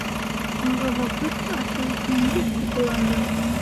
Һуңғы ваҡыт, атай, мин бик күп уйландым.